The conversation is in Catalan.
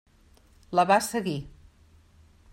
La va seguir.